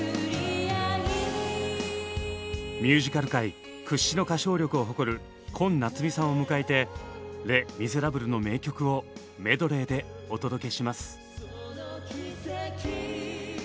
ミュージカル界屈指の歌唱力を誇る昆夏美さんを迎えて「レ・ミゼラブル」の名曲をメドレーでお届けします。